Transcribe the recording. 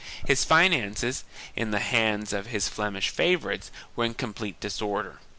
His finances, in the hands of his Flemish favorites, were in com plete disorder.